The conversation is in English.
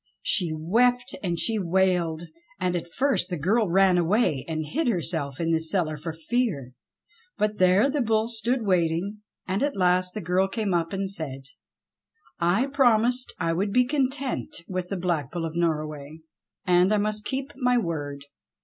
She wept and she wailed, and at first the girl ran away and hid herself in the cellar for fear, but there the Bull stood waiting, and at last the girl came up and said : 156 ENGLISH FAIRY TALES "I promised I would be content with the Black Bull of Norroway, and I must keep my word.